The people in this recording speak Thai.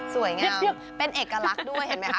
สวยงามเป็นเอกลักษณ์ด้วยเห็นไหมค